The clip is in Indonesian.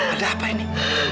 ada apa ini